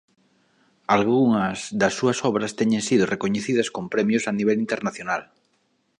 Algunhas das súas obras teñen sido recoñecidas con premios a nivel internacional.